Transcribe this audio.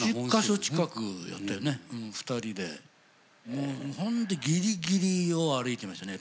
もうほんとギリギリを歩いていましたね